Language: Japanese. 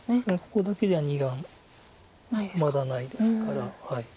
ここだけじゃ２眼まだないですから。